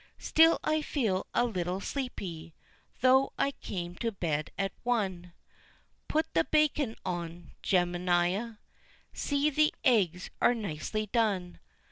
Still I feel a little sleepy, though I came to bed at one. Put the bacon on, Jemima; see the eggs are nicely done!